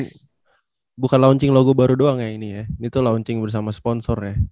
ini bukan launching logo baru doang ya ini ya ini tuh launching bersama sponsor ya